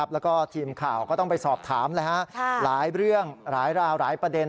แล้วก็ทีมข่าวก็ต้องไปสอบถามหลายเรื่องหลายราวหลายประเด็น